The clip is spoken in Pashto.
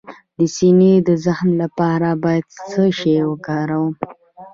د سینې د زخم لپاره باید څه شی وکاروم؟